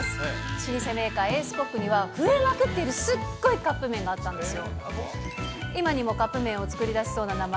老舗メーカー、エースコックには、増えまくっている、すっごいカップ麺があったんですよ。